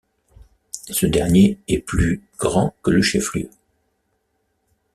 Ce dernier est plus grand que le chef-lieu.